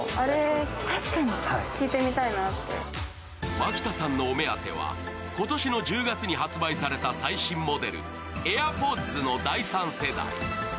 蒔田さんのお目当ては、今年の１０月に発売された最新モデル、ＡｉｒＰｏｄｓの第３世代。